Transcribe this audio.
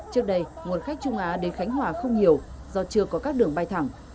trước đây nguồn khách trung á đến khánh hòa không nhiều do chưa có các đường bay thẳng